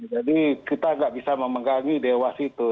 jadi kita tidak bisa memegangi dewas itu